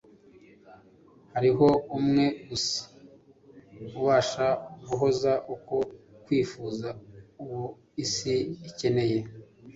Hariho Umwe gusa ubasha guhaza uko kwifuza. Uwo isi ikeneye,